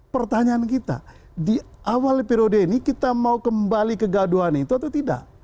pertanyaan kita di awal periode ini kita mau kembali kegaduhan itu atau tidak